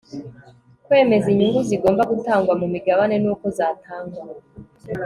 kwemeza inyungu zigomba gutangwa ku migabane n'uko zatangwa